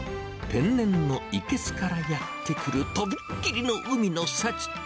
天然の生けすからやって来る、とびっきりの海の幸。